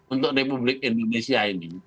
untuk republik indonesia ini